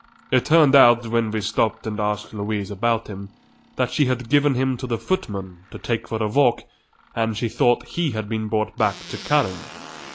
It turned out, when we stopped and asked Louise about him, that she had given him to the footman to take for a walk and she thought he had been brought back to Karen.